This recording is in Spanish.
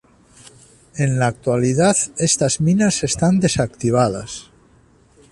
En la actualidad, estas minas están desactivadas.